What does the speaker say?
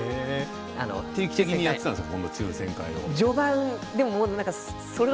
定期的にやっていたんですか。